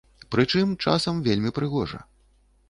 Прычым, часам вельмі прыгожа.